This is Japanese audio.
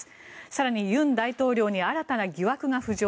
更に尹大統領に新たな疑惑が浮上。